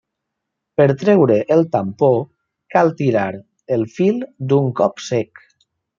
Per treure el tampó cal tirar el fil d'un cop sec.